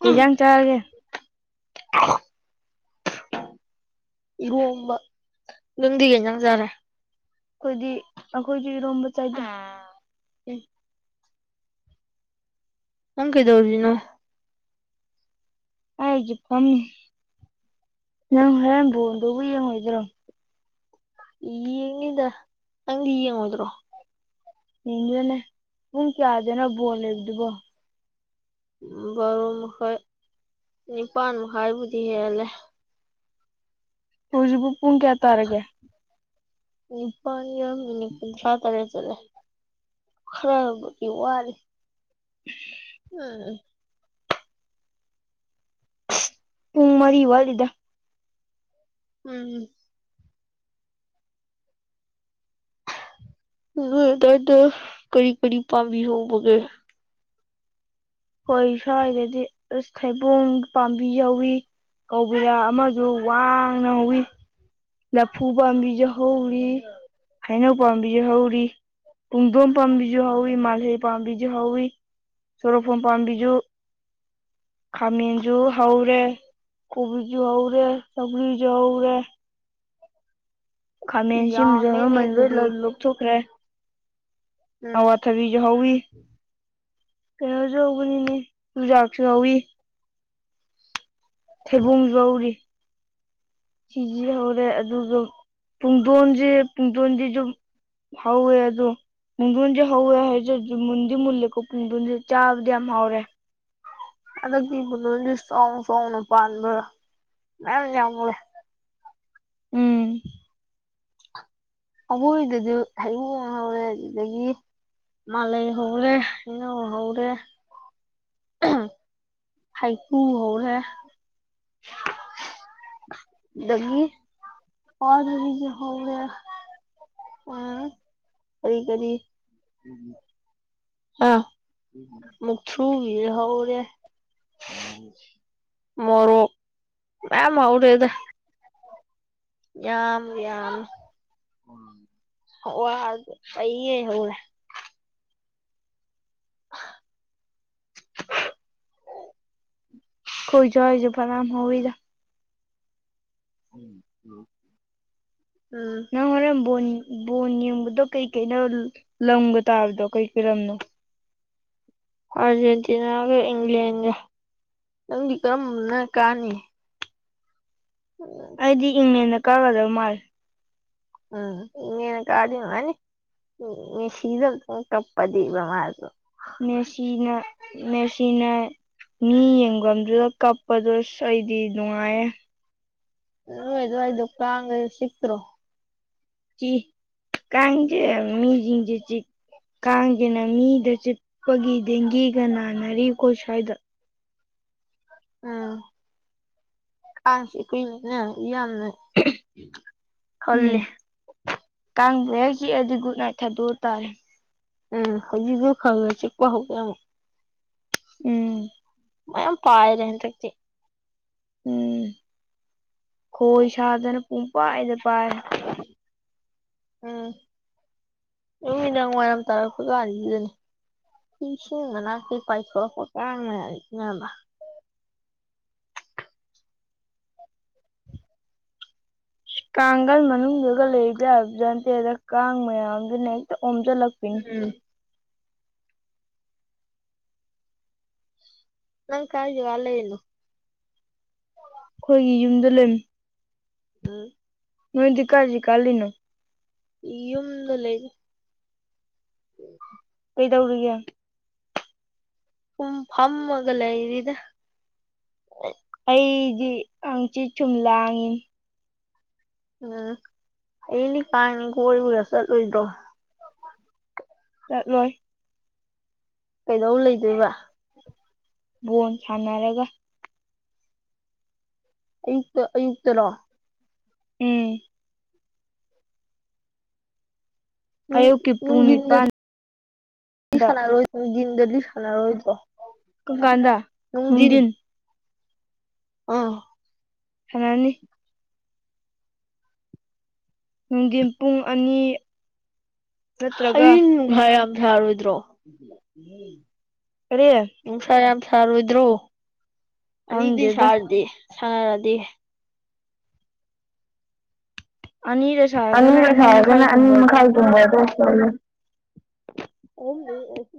ꯀꯩꯖꯥꯡ ꯆꯥꯔꯒꯦ ꯏꯔꯣꯝꯕ ꯅꯪꯗꯤ ꯀꯔꯤ ꯍꯤꯟꯖꯥꯡ ꯆꯥꯔꯦ ꯑꯩꯈꯣꯏꯗꯤ ꯑꯩꯈꯣꯏꯁꯨ ꯏꯔꯣꯝꯕ ꯆꯥꯏꯗ ꯑꯦ ꯍꯪ ꯀꯩꯗꯧꯖꯤꯅꯣ ꯑꯩꯒꯤ ꯐꯝꯃꯤ ꯅꯪ ꯍꯣꯔꯦꯟꯕꯨꯗꯕꯨ ꯌꯦꯡꯉꯣꯏꯗ꯭ꯔꯣ ꯌꯦ ꯌꯦꯉꯗ ꯍꯪ ꯌꯦ ꯌꯦꯡꯗ꯭ꯔꯣ ꯅꯗꯨꯅꯦ ꯄꯨꯡ ꯀꯌꯥꯗꯅꯣ ꯕꯣꯜ ꯂꯩꯕꯗꯨꯕꯣ ꯕꯥꯔꯣ ꯃꯈꯥꯏ ꯅꯤꯄꯥꯥꯟ ꯃꯈꯥꯏꯕꯨꯗꯤ ꯍꯦꯜꯂꯦ ꯍꯧꯖꯤꯛꯕꯨ ꯄꯨꯡ ꯀꯌꯥ ꯇꯥꯔꯒꯦ ꯏꯄꯥꯅꯤꯅꯤ ꯐꯥ ꯇꯔꯦ ꯆꯂꯦ ꯈꯔꯕꯗꯤ ꯋꯥꯔꯦ ꯎ ꯎꯝ ꯄꯨꯡ ꯃꯔꯤ ꯋꯥꯠꯂꯤꯗ ꯎꯝꯝ ꯅꯣꯏ ꯑꯗꯨꯋꯥꯏꯗ ꯀꯔꯤ ꯀꯔꯤ ꯄꯥꯝꯃꯤ ꯍ ꯃꯒꯦ ꯍꯣꯏ ꯁ꯭ꯋꯥꯏꯗꯗꯤ ꯑꯁ ꯈꯩꯕꯣꯡ ꯄꯥꯝꯕꯤ ꯌꯥꯎꯏ ꯀꯧꯕꯤꯔ ꯑꯃꯁꯨ ꯋꯥꯡꯅ ꯍꯧꯏ ꯂꯐꯨ ꯄꯥꯝꯕꯤꯁꯨ ꯍꯧꯔꯤ ꯍꯩꯅꯧ ꯄꯥꯝꯕꯤꯁꯨ ꯍꯧꯔꯤ ꯄꯨꯡꯗꯣꯟ ꯄꯥꯝꯕꯤꯁꯨ ꯍꯧꯏ ꯃꯥꯜꯍꯩ ꯄꯥꯝꯕꯤꯁꯨ ꯍꯧꯏ ꯆꯣꯔꯣꯐꯣꯟ ꯄꯥꯝꯕꯤꯁꯨ ꯈꯥꯃꯦꯟꯁꯨ ꯍꯧꯔꯦ ꯀꯣꯕꯤꯁꯨ ꯍꯧꯔꯦ ꯁꯧꯒꯔꯤꯁꯨ ꯍꯧꯔꯦ ꯈꯃꯦꯟꯁꯤꯖꯣ ꯃ ꯂꯨꯊꯈ꯭ꯔꯦ ꯑꯋꯥ ꯊꯕꯤꯁꯨ ꯍꯧꯋꯤ ꯀꯩꯅꯣꯁꯨ ꯍꯧꯕꯅꯤꯅꯦ ꯌꯨꯖꯥꯛꯁꯨ ꯍꯧꯋꯤ ꯊꯩꯕꯣꯡ ꯌꯔꯤ ꯁꯤꯁꯤ ꯍꯧꯔꯦ ꯑꯗꯨꯒ ꯄꯨꯡꯗꯣꯟꯣꯖꯦ ꯄꯨꯡꯗꯣꯟꯗꯤꯗꯨꯝ ꯍꯥꯎꯌꯦꯍꯕ꯭ꯔꯣ ꯄꯨꯡꯗꯣꯟꯁꯦ ꯍꯧꯋꯦ ꯍꯥꯏꯖꯔꯁꯨ ꯃꯨꯟꯗꯤ ꯃꯨꯜꯂꯦꯀꯣ ꯄꯨꯡꯗꯣꯟꯁꯦ ꯆꯥꯕꯗꯤ ꯌꯥꯝ ꯍꯥꯎꯔꯦ ꯍꯟꯗꯛꯇꯤ ꯄꯨꯡꯗꯣꯟ ꯆꯥꯎꯅ ꯆꯥꯎꯅ ꯄꯥꯟꯕ꯭ꯔ ꯃꯌꯥꯝ ꯖꯥꯝ ꯍꯧꯌꯦ ꯎꯝ ꯑꯃꯣꯒꯤꯗꯁꯨ [unintelligible] [unintelligible] ꯑꯗꯨꯗꯒꯤ ꯃꯥꯜꯍꯩ ꯍꯧꯔꯦ ꯍꯩꯅꯧ ꯍꯧꯔꯦ__ ꯎ ꯍꯥꯏꯀꯨ ꯍꯧꯔꯦ ꯃꯤ ꯑꯣꯅꯤꯒꯤ ꯍꯧꯒ ꯑ ꯀꯔꯤ ꯀꯔꯤ ꯑꯥ [unintelligible] ꯃꯨꯛ ꯊ꯭ꯔꯨꯕꯤ [unintelligible] ꯍꯧꯎꯔꯦ ꯃꯔꯣꯛ ꯃꯌꯥꯝ ꯍꯧꯔꯦꯗ ꯌꯥꯝ ꯌꯥꯝ ꯍꯧꯋꯦ ꯍꯥꯏꯕ꯭ꯔꯣ ꯄꯩꯒꯩ ꯍꯧꯋꯦ ꯑꯈꯣꯏ ꯁꯥꯏꯁꯨ ꯐꯅꯌꯥꯝ ꯍꯧꯌꯤꯗ [unintelligible] ꯎꯝ [unintelligible] ꯕꯣꯟ ꯌꯦꯡꯕꯗꯣ ꯀꯩ ꯀꯩꯅꯣ ꯂꯝꯒ ꯇꯥꯕꯗꯣ ꯀꯩ ꯀꯩ ꯂꯝꯅꯣ ꯑꯥꯔꯖꯦꯟꯇꯤꯅꯥꯒ ꯏꯪꯂꯦꯟꯒ ꯅꯪꯗꯤ ꯀꯔꯝꯕꯅ ꯀꯥꯅꯤ [unintelligible] [unintelligible] ꯏꯪꯂꯦꯟꯗꯅ ꯀꯥꯒꯗꯕ ꯃꯥꯜꯂꯦ ꯎꯝ ꯏꯪꯂꯦꯟꯗꯅ ꯀꯥꯔꯗꯤ ꯅꯨꯡꯉꯥꯢꯅꯤ ꯃꯦꯁꯤꯗꯣ ꯑꯝꯇꯪ ꯀꯞꯄ ꯗꯤꯕ ꯃꯥꯖꯨ ꯃꯦꯁꯤꯅ ꯃꯦꯁꯤꯅ ꯃꯤ ꯌꯦꯡꯕꯝꯗꯨꯗ ꯀꯞꯄꯗꯣ ꯑꯁ ꯑꯩꯗꯤ ꯅꯨꯡꯉꯥꯏꯌꯦ ꯅꯣꯏ ꯑꯗꯥꯏꯗꯣ ꯀꯥꯡꯒ ꯆꯤꯛꯇ꯭ꯔꯣ ꯆꯤꯛꯏ ꯀꯥꯡ ꯆꯤꯛꯑꯦ ꯃꯤꯖꯤꯡꯖꯦ ꯆꯤꯛ ꯀꯥꯡꯒꯤꯅ ꯃꯤꯗ ꯆꯤꯛꯄꯒꯤ ꯗꯦꯡꯒꯤꯒ ꯅꯥꯅꯔꯤꯀꯣ ꯁ꯭ꯋꯥꯏꯗ ꯑ ꯀꯥꯡ ꯆꯤꯛꯄꯩ [unintelligible] ꯌꯥꯝꯅ ꯈꯜꯂꯤ ꯀꯥꯡ [unintelligible] ꯆꯤꯛꯑꯗꯤ ꯒꯨꯗ ꯅꯥꯏꯠ ꯊꯥꯗꯣꯛꯎ ꯇꯥꯥꯔꯦ ꯑ ꯍꯧꯖꯤꯛꯐꯧ ꯈꯡꯅ ꯆꯤꯛꯄ ꯍꯧ__ [unintelligible] ꯎꯝ ꯃꯌꯥꯝ ꯄꯥꯏꯔꯦ ꯍꯟꯗꯛꯇꯤ ꯎꯝ ꯈꯣꯏ ꯁꯥꯗꯅ ꯄꯨꯡ ꯄꯥꯏꯗ ꯄꯥꯏꯔꯦ ꯎꯝ ꯅꯨꯃꯤꯗꯥꯡ ꯋꯥꯏꯔꯝ ꯇꯥꯔꯛꯄ [unintelligible] [unintelligible] ꯏꯁꯤꯡ ꯃꯅꯥꯛꯇꯩ ꯄꯥꯏꯊꯣꯔꯛꯄ ꯀꯥꯡ ꯃꯌꯥꯝꯖꯤꯅꯕ ꯀꯥꯡꯒꯟ ꯃꯅꯨꯡꯗꯨꯒ ꯂꯩꯕ ꯌꯥꯕ ꯖꯥꯠ ꯅꯠꯇꯦꯗ ꯀꯥꯡ ꯃꯌꯥꯝꯗꯨꯅ ꯍꯦꯛꯇ ꯑꯣꯝꯁꯤꯜꯂꯛꯄ__ [unintelligible] ꯎꯝ ꯅꯪ ꯀꯥꯏ ꯖꯒꯥ ꯂꯩꯔꯤꯅꯣ ꯈꯣꯏꯒꯤ ꯌꯨꯝꯗ ꯂꯩ ꯎꯝ ꯅꯣꯏꯗꯤ ꯀꯥꯏ ꯖꯒꯥ ꯂꯩꯅꯣ ꯌꯨꯝꯗ ꯂꯩꯔꯤ [unintelligible] ꯀꯩꯗꯧꯔꯤꯌꯦ [inaudible] ꯁꯨꯝ ꯐꯝꯃꯒ ꯂꯩꯔꯤꯗ [unintelligible] ꯑꯩꯗꯤ ꯍꯪꯆꯤꯠ ꯁꯨꯝ ꯂꯥꯡꯉꯤ ꯎꯝ ꯑꯦꯅꯤ ꯀꯥꯡꯅꯤ ꯀꯣꯏꯕꯒ ꯆꯠꯂꯣꯏꯗ꯭ꯔꯣ ꯆꯠꯂꯣꯏ ꯀꯩꯗꯧ ꯂꯩꯗꯣꯏꯕ ꯁꯥꯟꯅꯔꯒ ꯑꯌꯨꯛꯇ ꯑꯌꯨꯛꯇꯔꯣ ꯑꯦ ꯅꯨꯡ ꯅꯨꯡꯗꯤꯟꯗꯗꯤ ꯁꯥꯟꯅꯔꯣꯏ ꯅꯨꯡꯗꯤꯟꯗꯗꯤ ꯁꯥꯟꯅꯔꯣꯏꯗ꯭ꯔꯣ [unintelligible] ꯅꯨꯡꯗꯤꯟ ꯑꯥ [unintelligible] ꯅꯨꯡꯗꯤꯟ ꯄꯨꯡ ꯑꯅꯤ ꯍꯣꯔꯦꯟ ꯅꯨꯡꯁꯥ ꯌꯥꯝ ꯁꯥꯔꯣꯏꯗ꯭ꯔꯣ ꯀꯔꯤ ꯅꯨꯡꯁꯥ ꯌꯥꯝ ꯁꯥꯔꯣꯏꯗ꯭ꯔꯣ ꯑꯅꯤꯗꯩ ꯁꯥꯔꯗꯤ ꯁꯥꯥ ꯔꯗꯤ ꯑꯅꯤ ꯀ ꯈꯥ ꯀ ꯑꯅꯤ ꯈꯥꯏ ꯄꯗ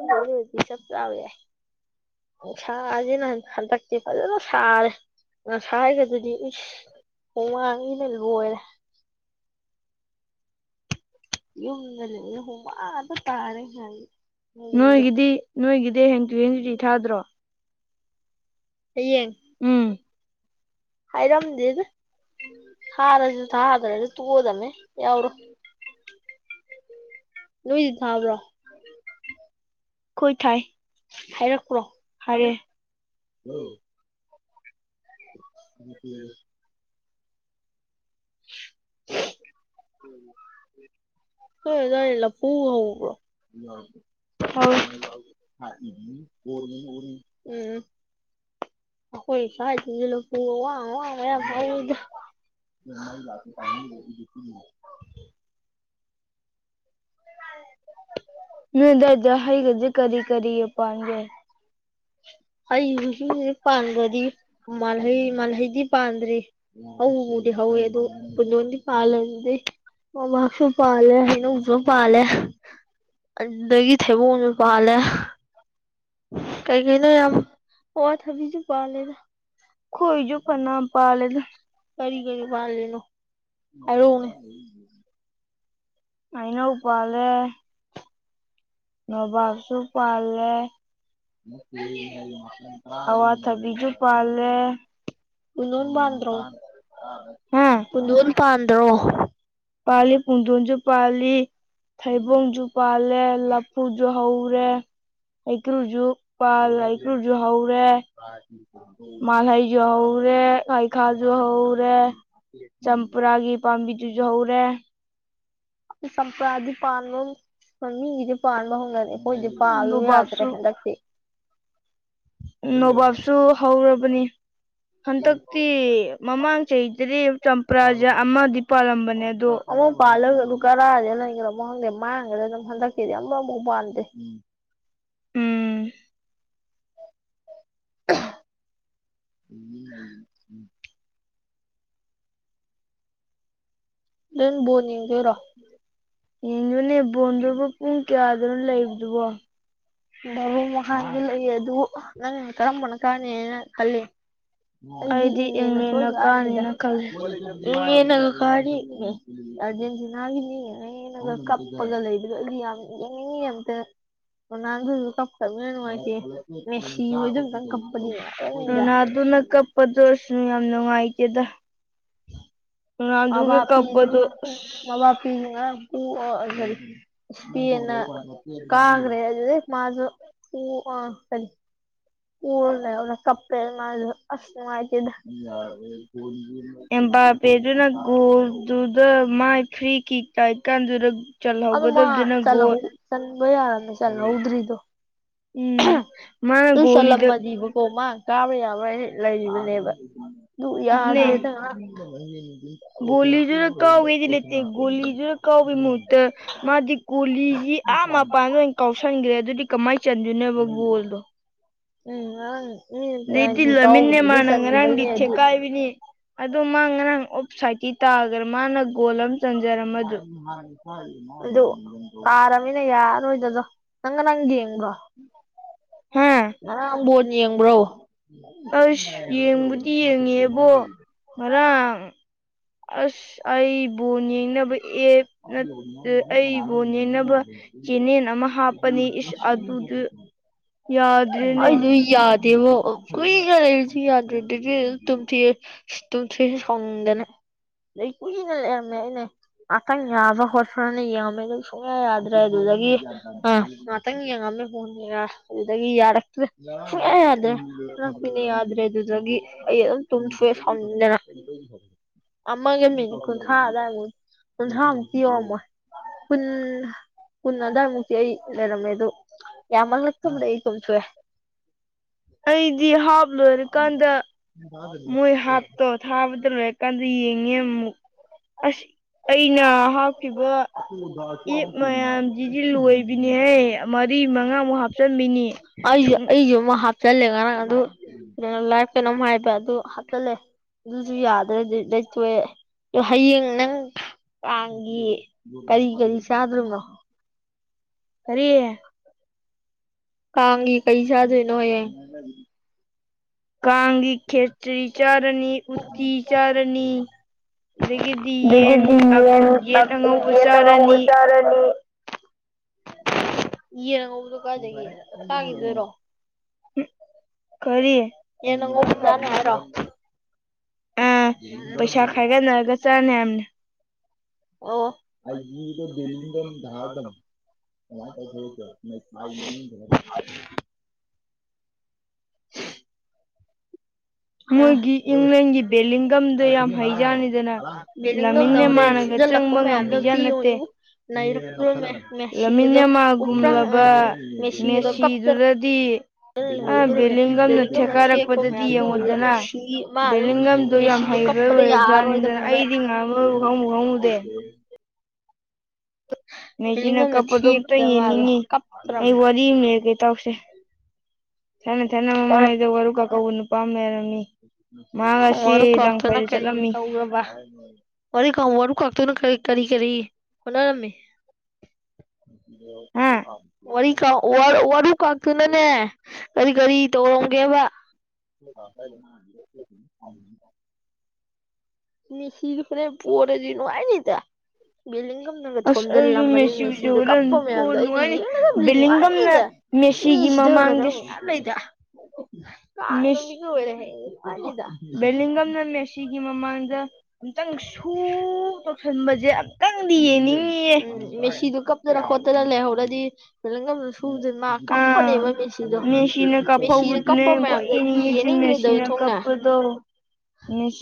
[unintelligible] ꯎꯅꯨꯡꯁꯁꯤꯅ ꯍꯟꯗꯛꯇꯤ ꯐꯖꯅ ꯁꯥꯔꯦ ꯉꯁꯥꯏꯒꯗꯨꯗꯤ [inaudible] ꯍꯨꯃꯥꯡꯖꯤꯅ ꯂꯣꯏꯔꯦ ꯌꯨꯝꯗ ꯂꯩ ꯍꯨꯃꯥꯡ ꯇꯥꯔꯦ ꯍꯥꯏ ꯅꯣꯏꯒꯤꯗꯤ ꯅꯣꯏꯒꯤꯗꯤ ꯍꯦꯟꯁꯨꯨ ꯁꯨꯨꯇꯤ ꯊꯥꯗ꯭ꯔꯣ ꯍꯌꯦꯡ ꯎꯝ ꯍꯥꯏꯔꯝꯗꯦꯗ ꯊꯥꯔꯁꯨ ꯊꯥꯗ꯭ꯔꯁꯨ ꯇꯣꯑꯗꯅꯤ ꯌꯥꯎꯔꯣꯢ ꯅꯣꯏꯗꯤ ꯊꯥꯕ꯭ꯔꯣ ꯈꯣꯏ ꯊꯥꯏ ꯍꯥꯏꯔꯛꯄ꯭ꯔꯣ ꯍꯥꯏꯔꯦ ꯍꯂꯣ [unintelligible] [inaudible] ꯅꯣꯏ ꯑꯗꯨꯋꯥꯏ ꯂꯄꯨꯒ ꯍꯧꯕ꯭ꯔꯣ [unintelligible] ꯑꯩꯈꯣꯏ ꯁꯋꯥꯏꯗꯖꯨ ꯎ ꯑꯋꯥꯡ ꯑꯋꯥꯡꯕ ꯌꯥꯝ ꯍꯩꯋꯤꯗꯥ [unintelligible] ꯅꯣꯏ ꯑꯗꯨꯋꯥꯏꯗ ꯍꯩꯒꯥꯗꯤ ꯀꯔꯤ ꯀꯔꯤ ꯄꯥꯟꯒꯦ ꯍꯩ ꯍꯧꯖꯤꯛ ꯍꯧꯖꯤꯛ ꯄꯥꯟꯕꯗꯤ ꯃꯥꯜꯍꯩ ꯃꯥꯜꯍꯩꯗꯤ ꯄꯥꯟꯗ꯭ꯔꯤ ꯑ ꯃꯗꯤ ꯍꯗꯣ ꯈꯨꯅꯣꯗꯤ ꯄꯥꯂꯖ ꯃꯕꯥꯛꯁꯨ ꯄꯥꯜꯂꯦ ꯍꯩꯅꯧꯁꯨ ꯄꯥꯜꯂꯦ ꯑꯗꯒꯤ ꯊꯩꯕꯣꯡꯁꯨ ꯄꯥꯜꯂꯦ ꯀꯩ ꯀꯩꯅꯣ ꯌꯥꯝ ꯑꯋꯥ ꯊꯕꯤꯁꯨ ꯄꯥꯜꯂꯦꯗ ꯈꯣꯏꯁꯨ ꯀꯅꯥ ꯄꯥꯂꯦꯗ ꯀꯔꯤ ꯀꯔꯤ ꯄꯥꯜꯂꯤꯅꯣ ꯑꯔꯣꯅꯦ ꯑꯩꯅꯧ ꯄꯥꯂꯦ ꯅꯕꯥꯞꯁꯨ ꯄꯥꯂꯦ ꯃꯁꯟ ꯇꯔꯥ ꯄꯨꯗꯣꯟ ꯄꯥꯟꯗ꯭ꯔꯣ ꯄꯨꯡꯗꯣꯟ ꯄꯥꯟꯗ꯭ꯔꯣ ꯄꯥꯜꯂꯤ ꯄꯨꯡꯗꯣꯟꯁꯨ ꯄꯥꯜꯂꯤ ꯊꯩꯕꯣꯡꯁꯨ ꯄꯥꯜꯂꯦ ꯂꯐꯨꯖꯨ ꯍꯧꯔꯦ ꯍꯩꯀ꯭ꯔꯨꯁꯨ ꯄꯜ ꯍꯩꯀ꯭ꯔꯨꯁꯨ ꯍꯧꯔꯦ ꯃꯥꯜ ꯍꯩꯁꯨ ꯍꯧꯔꯦ ꯍꯩꯈꯥꯁꯨ ꯍꯧꯔꯦ ꯆꯝꯄꯔꯥꯒꯤ ꯄꯥꯝꯕꯤꯗꯨꯁꯨ ꯍꯧꯔꯦ ꯆꯝꯄ꯭ꯔꯥꯗꯤ ꯄꯥ ꯃꯤꯒꯤꯗꯤ ꯄꯥꯥꯟꯕꯥ ꯍꯩꯒꯔꯦ ꯑꯩꯈꯣꯏꯗꯤ ꯄꯥꯟꯂꯨ ꯌꯥꯗ꯭ꯔꯦ ꯍꯟꯗꯛꯇꯤ ꯅꯣꯕꯥꯞꯁꯨ ꯍꯧꯔꯕꯅꯤ ꯍꯟꯗꯛꯇꯤ ꯃꯃꯥꯡ ꯆꯍꯤꯗꯔꯤ ꯆꯝꯄ꯭ꯔꯥꯁꯦ ꯑꯃꯗꯤ ꯄꯥꯜꯂꯝꯕꯅꯦ ꯑꯗꯣ ꯄꯥꯜꯂꯒ ꯑꯗꯨ ꯀꯔꯥꯏꯗ ꯂꯩꯒꯔꯕꯅꯣ ꯍꯪꯗꯦ ꯃꯥꯡꯈ꯭ꯔꯦ ꯑꯗꯨꯝ ꯍꯟꯗꯛꯇꯀꯤꯗꯤ ꯑꯃꯕꯨꯛ ꯄꯥꯟꯗꯦ ꯎꯝ [inaudible] [unintelligible] ꯑꯗꯨ ꯕꯣꯜ ꯌꯦꯡꯗꯣꯏꯔꯣ ꯌꯦꯡꯗꯣꯏꯅꯦ ꯕꯣꯟꯗꯨꯕꯨ ꯄꯨꯡ ꯀꯌꯥꯗꯅꯣ ꯂꯩꯕꯗꯨꯕꯣ ꯕꯔꯣ ꯃꯈꯥꯏꯗ ꯂꯩ ꯑꯗꯨ ꯅꯪ ꯀꯔꯝꯕꯅ ꯀꯥꯅꯤꯅ ꯈꯜꯂꯤ ꯑꯩꯗꯤ ꯏꯪꯂꯦꯟꯅ ꯁꯣꯏꯀꯥꯅꯤꯗ ꯏꯪꯂꯦꯟꯅꯒ ꯀꯥꯔꯗꯤ [unintelligible] [unintelligible] [unintelligible] [unintelligible] ꯇꯁꯅ ꯌꯥꯝ ꯅꯨꯡꯉꯥꯏꯈꯤꯦꯗ [unintelligible] ꯁꯄꯦꯟꯅꯥ ꯀꯥꯈ꯭ꯔꯦ ꯑꯗꯨꯗꯩ ꯃꯥꯁꯨ ꯄ ꯑ ꯐ ꯄꯅꯅ ꯀꯞꯄꯦꯜ ꯃꯥꯂ ꯑꯁꯅ ꯃꯥꯥꯏꯇꯗ [unintelligible] ꯕꯦꯗꯨꯅ ꯣꯜꯗꯨꯗ ꯃꯥ ꯐꯔꯤ ꯏꯀꯥꯟ ꯑ ꯑꯗꯨ ꯃꯥ ꯆꯟꯕ ꯌꯥꯔꯕꯅꯦ ꯆꯟꯍꯧꯗ꯭ꯔꯤꯗꯣ ꯑꯗꯨꯁꯂꯝꯃꯗꯤꯕꯨ ꯀꯣꯃ ꯀꯥꯕ ꯌꯥꯕ ꯂꯩꯔꯤꯕꯅꯦꯕ ꯑꯗꯨ ꯌꯥꯗ꯭ꯔꯦꯗ ꯣꯂꯤꯖꯅ ꯀꯎꯕꯂ ꯣꯂꯤꯖꯅ ꯀꯥꯎꯕ ꯃꯠꯇ ꯃꯥꯗꯤ ꯀꯒꯣꯂꯤꯒꯤ ꯑꯥ ꯃꯄꯥꯟꯗ ꯑꯣꯏꯅ ꯀꯥꯎꯁꯟꯈ꯭ꯔꯦ ꯑꯗꯨꯗꯤ ꯀꯃꯥꯏꯅ ꯆꯟꯗꯣꯏꯅꯦꯕ ꯒꯣꯜꯗꯣ ꯎꯝ ꯂꯩꯗꯤꯂ ꯃꯤꯅꯦ ꯃꯥꯅꯒ ꯔꯥꯡꯪꯗꯤ ꯏꯦ ꯀꯥꯏꯕꯤꯅꯤ ꯑꯗꯣ ꯃꯥ ꯉꯔꯥꯡ ꯑꯣꯞ ꯁꯥꯏꯗꯤ ꯇꯥꯈ꯭ꯔꯥ ꯃꯥꯅ ꯒꯣꯜ ꯑꯃ ꯆꯟꯖꯔꯝꯃꯗꯨ ꯑꯗꯨ ꯇꯥꯔꯃꯤꯅ ꯌꯥꯔꯣꯏꯗꯗꯣ ꯅꯪ ꯉꯔꯥꯡ ꯌꯦꯡ ꯉꯔꯥꯡꯕꯣꯟ ꯌꯦꯡꯕ꯭ꯔꯣ ꯦ ꯃꯔꯔ ꯑꯁ ꯑꯩ ꯕꯣꯟ ꯌꯦꯡꯅꯕ ꯑꯦꯞ ꯅ ꯑꯩ ꯕꯣꯟ ꯌꯦꯡꯅꯕ ꯆꯦꯅꯦꯦꯟ ꯑꯃ ꯍꯥꯞ ꯎ ꯌꯥꯎꯗ꯭ꯔꯦꯟ ꯑꯩꯁꯨ ꯌꯥꯗꯦꯕ ꯀꯨꯏꯅ ꯂꯩꯔꯁꯨ ꯌꯥꯗ꯭ꯔꯦꯗꯗꯤ ꯇꯨꯝꯊꯤ ꯁꯤꯇꯨꯝ ꯊꯨꯏꯁ ꯁꯥꯎꯗꯅ ꯑꯗ ꯀꯨꯏꯅ ꯅꯦ ꯑꯇꯥꯡꯪ ꯌꯥꯕ ꯍꯔ ꯐ꯭ꯔꯅꯦ ꯌꯥꯝꯃꯦꯗ ꯁꯨꯝꯃꯌꯥ ꯌꯥꯗ꯭ꯔ ꯑꯗꯨꯗꯒꯤ ꯉꯍꯥꯛꯇꯪ ꯌꯦꯡꯉꯝꯃꯦ ꯍꯣꯟꯅꯤꯔ ꯑꯗꯨꯗꯒꯤ ꯌꯥꯔ ꯌꯥ꯭ꯔꯦ ꯔꯃꯤꯅꯤ ꯌꯥ꯭ꯔꯦ ꯑꯗꯨꯗꯒꯤ ꯇꯨꯁꯨꯦ ꯁꯖꯅ ꯑꯃꯃꯒ ꯃ ꯈꯨ ꯍ ꯇꯥꯏ ꯍ ꯄꯤꯣ ꯑꯃ ꯄꯨꯟ ꯄꯨꯟꯅꯗ ꯃꯨꯛꯇꯤ ꯂꯩꯦꯔꯃꯦꯃꯦ ꯑꯗꯨꯣ ꯌꯥꯃꯜ ꯅ ꯊꯨꯗ ꯀꯨꯝ ꯆ ꯑꯩꯗꯤ ꯍꯥꯞ ꯂꯣꯏꯔꯀꯥꯟꯗ ꯃꯣꯏ ꯍꯥꯞꯇꯣ ꯊꯥꯕꯇꯅ ꯀꯥꯟꯗꯤ ꯌꯦꯉ ꯑꯁꯤ ꯑꯩꯅ ꯍꯥꯞꯈꯤꯕ ꯑꯦꯞ ꯃꯌꯥꯝꯁꯤꯗꯤ ꯂꯣꯏꯕꯤꯅꯤꯍꯦ ꯃꯔꯤ ꯃꯉꯥꯃꯨꯛ ꯍꯥꯞꯆꯤꯟꯕꯤꯅꯤ ꯑꯩꯖꯨ ꯑꯩꯖꯨ ꯑꯃ ꯍꯥꯞꯆꯜꯂꯦ ꯉꯔꯥꯡ ꯑꯗꯨ ꯂꯥꯏꯐ ꯀꯩꯅꯣꯝ ꯍꯥꯏꯕ ꯑꯗꯨ ꯍꯥꯞꯆꯜꯂꯦ ꯑꯗꯨꯖꯄ ꯌꯥꯗ꯭ꯔꯗꯤ ꯂꯣꯏꯇꯣꯛꯑꯦ ꯍꯌꯦꯡ ꯅꯪ ꯀꯥꯡꯒꯤ ꯀꯔꯤ ꯀꯔꯤ ꯆꯥꯗꯨꯝꯅꯣ ꯀꯔꯤ ꯀꯥꯡꯒꯤ ꯀꯔꯤ ꯆꯥꯗꯣꯏꯅꯣ ꯍꯌꯦ ꯀꯥꯡꯒꯤ ꯈꯦꯆ꯭ꯔꯤ ꯆꯔꯅꯤ ꯎꯇꯤ ꯆꯔꯅꯤ ꯑꯗꯒꯤꯗꯤ ꯌꯦꯟ ꯌꯦꯟ ꯑꯉꯧꯕ ꯆꯥꯔꯅꯤ ꯅꯤ ꯌꯦ ꯑ ꯉꯧꯕꯗꯣ ꯀꯥꯖꯒꯦ ꯇꯥꯈꯤꯗꯣꯏꯔꯣ ꯎ ꯈꯔꯤꯌꯦ ꯑꯥ ꯄꯩꯁꯥ ꯈꯥꯏꯒꯅꯔꯒ ꯆꯠꯅꯤ ꯌꯥꯝꯅ ꯑꯣ ꯑꯩꯒꯤꯗ ꯕꯂꯤꯗ ꯙꯥꯔꯗ ꯀꯃꯥꯏꯅ ꯇꯧꯊ ꯀ [inaudible] [inaudible] ꯃꯣꯏꯒꯤ ꯏꯪꯂꯦꯟꯒꯤ ꯕꯦꯂꯤꯡꯒꯝꯗ ꯌꯥꯝ ꯍꯩꯖꯥꯅꯤꯗꯅ ꯂꯃꯤꯟꯅ ꯃꯥꯅ [unintelligible] ꯉꯝꯕꯤꯖ ꯅꯠꯇꯦ ꯂꯦꯃꯤꯟ ꯌꯦꯃꯥꯒꯨꯝꯂꯕ ꯃꯦꯁꯤꯗꯨꯗ ꯑꯃꯗꯤ [unintelligible] ꯃꯥ ꯑꯗꯨꯝꯗ ꯃꯦꯁꯤꯗꯣ ꯀꯞꯄꯗ ꯌꯥꯔꯂꯣꯏ ꯃꯥ [unintelligible] ꯃꯦꯁꯤ ꯀꯞꯄꯗꯣꯝꯇ ꯌꯦꯅꯤꯉꯤ ꯑꯩ ꯋꯥꯔꯤ ꯑꯃ ꯂꯤꯔꯛꯀꯦ ꯇꯥꯎꯁꯦ ꯊꯥꯏꯅ ꯊꯥꯏꯅ ꯃꯃꯥꯡ ꯉꯩꯗ ꯋꯥꯔꯨꯀꯥ ꯀꯧꯕ ꯅꯨꯄꯥ ꯑꯃ ꯂꯩꯔꯝꯃꯤ ꯋꯥꯔꯨꯀꯥꯛꯇꯨꯅ ꯀꯔꯤ ꯇꯧꯔꯕ ꯋꯥꯔꯤ ꯋꯥꯔꯨ ꯀꯥꯛꯇꯨꯅ ꯀꯔꯤ ꯀꯔꯤ ꯍꯣꯅꯔꯝꯃꯤ ꯋꯥꯔꯤꯀꯥꯛ ꯋꯥꯔꯨꯀꯥꯛ ꯇꯨꯅꯅꯦ ꯀꯔꯤ ꯀꯔꯤ ꯇꯧꯔꯝꯒꯦꯕ [unintelligible] [inaudible] ꯃꯦꯁꯤꯗꯨ ꯍꯣꯔꯦꯟ ꯄꯣꯔꯗꯤ ꯅꯨꯡꯉꯥꯏꯅꯤꯗ ꯕꯤꯂꯤꯟꯒꯝꯅꯒ ꯊꯣꯝꯖꯤꯜꯂꯝꯃꯅꯤ ꯃꯦꯁꯤꯗꯣ ꯀꯞꯄ ꯃꯌꯥꯝꯗꯣ ꯑꯩꯅ ꯌꯦꯡꯒꯗꯕꯗꯤ ꯅꯨꯡꯉꯥꯏꯅꯤꯗ ꯃꯤ ꯁꯤꯗꯒꯗꯕ ꯃꯌꯥꯝ ꯂꯩꯗ ꯀꯥꯡ ꯅꯨꯃꯤꯠꯀ ꯑꯣꯏꯔꯦ ꯑꯗ [unintelligible] ꯑꯗ ꯑꯃꯇꯪ ꯁꯨ ꯇꯧꯁꯟꯕꯖꯦ ꯑꯝꯇꯪꯗꯤ ꯌꯦꯡꯅꯤꯡꯉꯤꯌꯦ ꯃꯦꯁꯤꯗꯨ ꯀꯞꯇꯅ ꯈꯣꯠꯇꯅ ꯂꯩꯍꯧꯔꯗꯤ [unintelligible] ꯀꯞꯄꯅꯤꯕ ꯃꯦꯁꯤꯗꯣ ꯃꯦꯁꯤꯗꯣ ꯀꯞꯄ ꯃꯌꯥꯝꯗ ꯑꯩꯗꯤ ꯌꯦꯅꯤꯡꯈ꯭ꯔꯦꯗ ꯑꯣꯟꯊꯣꯡꯅ [inaudible] ꯃꯦꯁꯤ